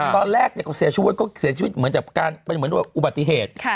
ตอนแรกเสียชูวงก็เสียชีวิตเหมือนกับอุบัติเหตุ